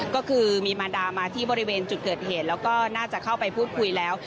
ก็คือมีมารดามาที่บริเวณจุดเกิดเหตุแล้วก็น่าจะเข้าไปพูดคุยแล้ว